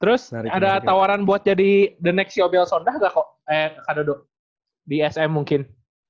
terus ada tawaran buat jadi the next siobel sondah gak kok eh kak dodo di sm mungkin